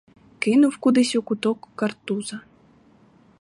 Кинув кудись у куток картуза.